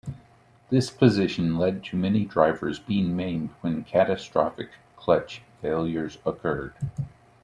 This position led to many drivers being maimed when catastrophic clutch failures occurred.